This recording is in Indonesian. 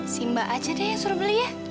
simba aja deh yang suruh beli ya